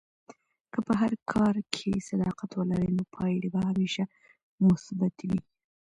که په هر کار کې صداقت ولرې، نو پایلې به همیشه مثبتې وي.